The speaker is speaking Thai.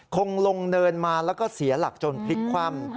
คงลงเนินมาแล้วก็เสียหลักจนพลิกคว่ำ